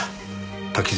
滝沢